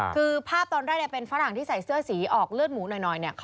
คือภาพตอนแรกเป็นฝรั่งที่ใส่เสื้อสีออกเลือดหมูหน่อย